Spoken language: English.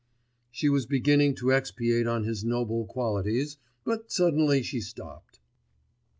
She was beginning to expatiate on his noble qualities, but suddenly she stopped....